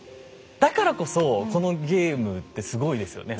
だからこそこのゲームってすごいですよね。